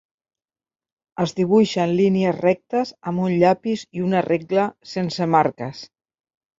Es dibuixen línies rectes amb un llapis i una regla sense marques.